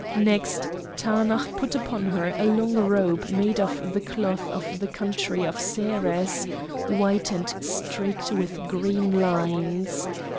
Next Taanach put upon her a long robe made of the cloth of the country of Seres, white and streaked with green lines.